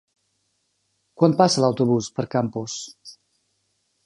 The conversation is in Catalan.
Quan passa l'autobús per Campos?